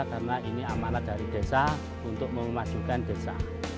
karena ini amanah dari desa untuk memasukkan desa